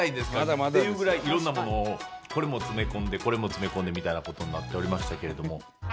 っていうぐらいいろんなものをこれも詰め込んでこれも詰め込んでみたいなことになっておりましたけれども。